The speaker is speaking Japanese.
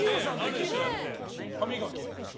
歯磨き。